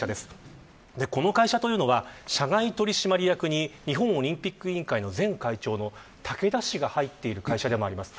この会社というのは社外取締役に日本オリンピック委員会の前会長の竹田氏が入っている会社でもあります。